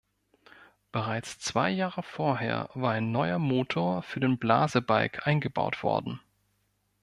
Bereits zwei Jahre vorher war ein neuer Motor für den Blasebalg eingebaut worden.